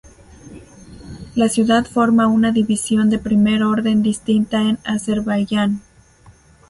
La ciudad forma una división de primer orden distinta en Azerbaiyán.